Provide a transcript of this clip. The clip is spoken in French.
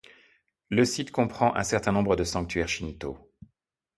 Le site comprend un certain nombre de sanctuaires shinto.